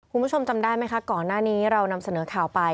คุณผู้ชมจำได้ไหมคะก่อนหน้านี้เรานำเสนอข่าวไป